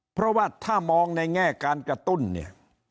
เพราะว่าถ้ามองในแง่การกระตุ้นเนี่ย